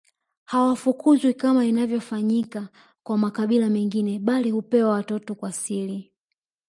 Hawafukuzwi kama inavyofanyika kwa makabila mengine bali hupewa watoto kwa siri